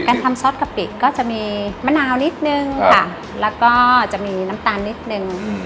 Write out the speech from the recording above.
ทำซอสกะปิก็จะมีมะนาวนิดนึงค่ะแล้วก็จะมีน้ำตาลนิดนึง